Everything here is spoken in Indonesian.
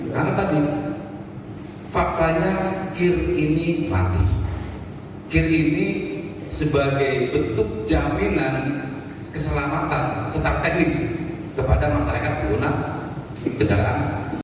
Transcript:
karena tadi faktanya kir ini mati kir ini sebagai bentuk jaminan keselamatan setang teknis kepada masyarakat guna kendaraan